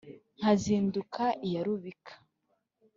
nkazinduka iya rubika